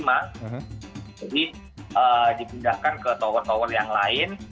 jadi di pindahkan ke tower tower yang lain